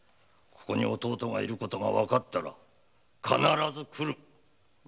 ここに弟がいることがわかったら必ず来る。